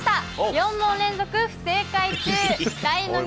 ４問連続不正解中。